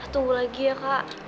tunggu lagi ya kak